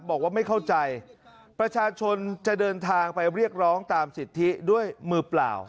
บอกว่าไม่เข้าใจประชาชนจะเดินทางไปเรียกร้องตามสิทธิด้วยมือเปล่า